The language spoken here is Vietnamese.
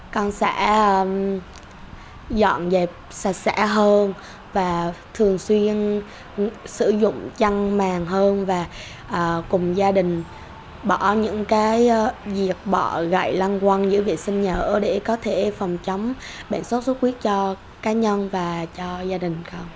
con sẽ dọn dẹp sạch sẽ hơn và thường xuyên sử dụng chăn màng hơn và cùng gia đình bỏ những cái việc bỏ gậy lăn quăng giữa vệ sinh nhỏ để có thể phòng chống bệnh xuất xuất huyết cho cá nhân và cho gia đình con